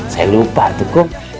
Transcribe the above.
saya lupa tukuk